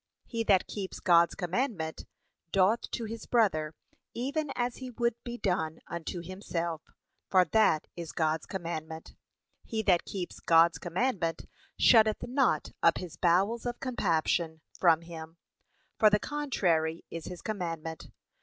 He that keeps God's commandment, doth to his brother even as he would be done unto himself, for that is God's commandment. He that keeps God's commandment, shutteth not up his bowels of compassion from him, for the contrary is his commandment.